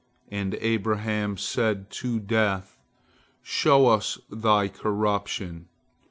And Abraham said to Death, "Show us thy corruption."